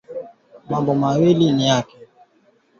na nzi wa kuuma waliopo